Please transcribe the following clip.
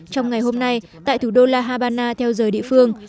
trong ngày hôm nay tại thủ đô la habana theo giờ địa phương